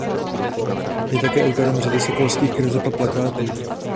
Je také autorem řady sokolských kreseb a plakátů.